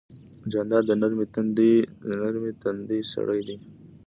جانداد د نرمې تندې سړی دی.